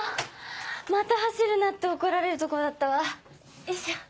また走るなって怒られるとこだったわよいしょ。